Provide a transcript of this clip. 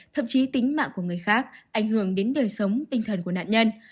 thậm chí tính mạng của người khác ảnh hưởng đến đời sống tinh thần của nạn nhân